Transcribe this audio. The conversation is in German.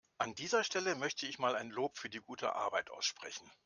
An dieser Stelle möchte ich mal ein Lob für die gute Arbeit aussprechen.